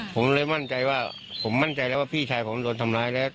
ผมเลยมั่นใจว่าผมมั่นใจแล้วว่าพี่ชายผมโดนทำร้ายแล้ว